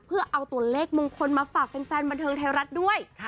เพื่อเอาตัวเลขมงคลมาฝากแฟนบันเทิงไทยรัฐด้วย